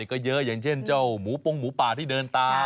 ก็เยอะอย่างเช่นเจ้าหมูปงหมูป่าที่เดินตาม